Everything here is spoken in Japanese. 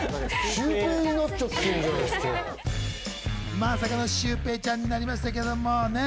まさかのシュウペイちゃんになりましたけれどもね。